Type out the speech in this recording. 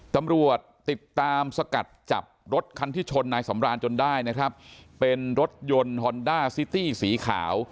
ตำรวจติดตามสกัดจับรถคันที่ชนนายสำราญจนได้นะครับเป็นรถยนต์ฮอนด้าซิตี้สีขาว